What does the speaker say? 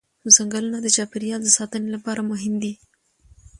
ځنګلونه د چاپېریال د ساتنې لپاره مهم دي